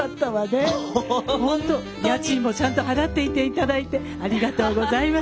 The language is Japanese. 家賃もちゃんと払っていて頂いてありがとうございました。